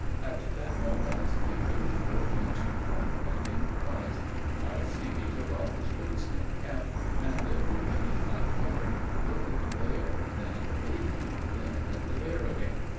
At that moment the baby broke into heart rending cries. Aristide took off his goat skin cap and, remaining uncovered, looked at the bear, then at the baby, then at the bear again.